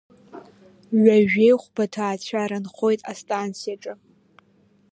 Ҩажәеи хәба ҭаацәара нхоит астанциаҿы.